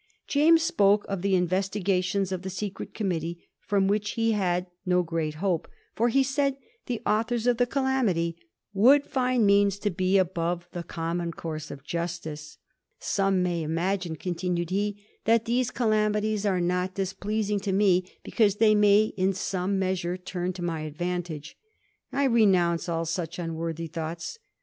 James spoke of the investigations of the secret committee, fi^om which he had no great hopes ; for, he said, the authors of the calamity ^ would find means to be above the Digiti zed by Google J 1721 AN INTERVIEW WITH JAMES STUART. 263 common course of justice/ ^ Some may imagine, continued he, * that these calamities are not displeas ing to me because they may in some measure turn to my advantage. I renounce all such unworthy thoughts.